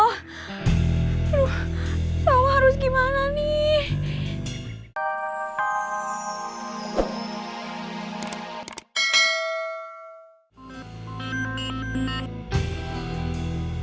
aduh sawah harus gimana nih